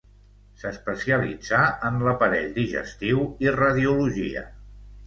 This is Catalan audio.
S'especialitzà en l'aparell digestiu i radiologia.